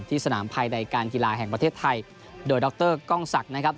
ที่สนามภัยในการกีฬาแห่งประเทศไทยโดยดอกเตอร์กล้องสักย์นะครับ